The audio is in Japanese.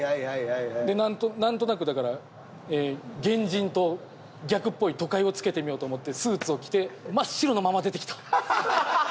でなんとなくだから原人と逆っぽい都会をつけてみようと思ってスーツを着て真っ白のまま出てきた！